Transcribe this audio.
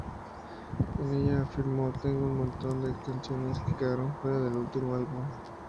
En ella afirmó: "Tengo un montón de canciones que quedaron fuera del último álbum.